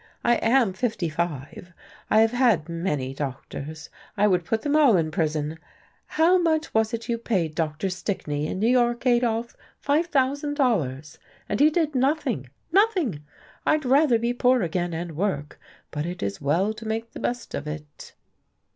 I am fifty five. I have had many doctors. I would put them all in prison. How much was it you paid Dr. Stickney, in New York, Adolf? Five thousand dollars? And he did nothing nothing. I'd rather be poor again, and work. But it is well to make the best of it."...